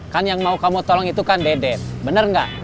kan yang mau kamu tolong itu kan dedek bener gak